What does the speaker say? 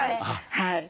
はい。